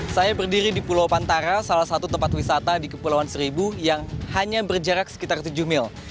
saya berdiri di pulau pantara salah satu tempat wisata di kepulauan seribu yang hanya berjarak sekitar tujuh mil